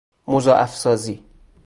مضاعف سازی